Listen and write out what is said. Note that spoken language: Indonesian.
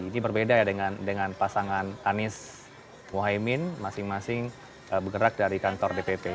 ini berbeda ya dengan pasangan anies mohaimin masing masing bergerak dari kantor dpp